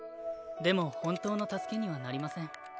でも本当の助けにはなりません。